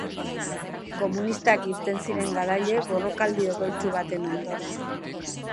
Komunistak irten ziren garaile borrokaldi odoltsu baten ondoren.